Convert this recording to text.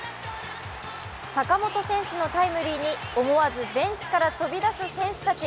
坂本選手のタイムリーに思わずベンチから飛び出す選手たち。